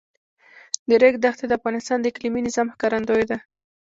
د ریګ دښتې د افغانستان د اقلیمي نظام ښکارندوی ده.